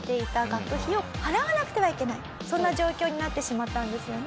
そんな状況になってしまったんですよね。